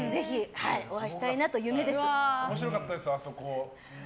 面白かったです、あそこ。